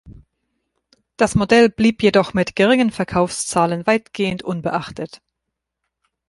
Das Modell blieb jedoch mit geringen Verkaufszahlen weitgehend unbeachtet.